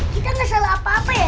kita gak salah apa apa ya